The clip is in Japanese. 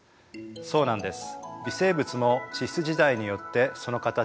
そうなんです。